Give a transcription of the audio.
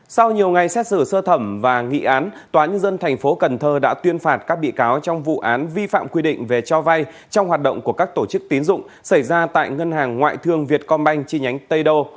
sau nhiều ngày xét xử sơ thẩm và nghị án tòa nhân dân tp cần thơ đã tuyên phạt các bị cáo trong vụ án vi phạm quy định về cho vay trong hoạt động của các tổ chức tín dụng xảy ra tại ngân hàng ngoại thương việt công banh chi nhánh tây đô